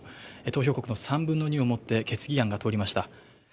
投票国の３分の２をもって決議案が通りました。